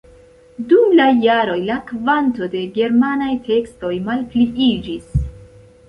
Dum la jaroj la kvanto de germanaj tekstoj malpliiĝis.